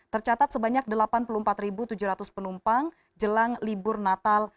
tercatat sebanyak delapan puluh empat tujuh ratus penumpang jelang libur natal